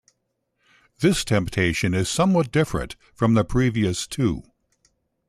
This temptation is somewhat different from the previous two.